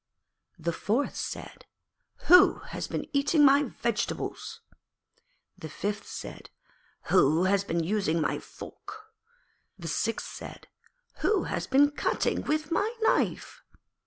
The fourth said, 'Who has been eating my vegetables?' The fifth said, 'Who has been using my fork?' The sixth said, 'Who has been cutting with my knife?'